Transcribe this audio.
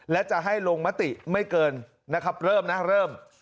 และจะให้ลงมติไม่เกินนะครับเริ่มนะเริ่ม